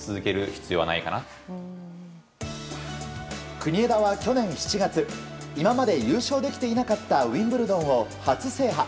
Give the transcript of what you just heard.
国枝は去年７月今まで優勝できていなかったウィンブルドンを初制覇。